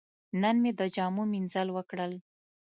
نن مې د جامو مینځل وکړل.